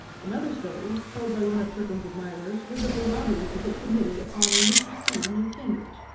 Another story, told by one of Turpin's admirers, was of a robbery he had committed upon a Mr. C. near Cambridge.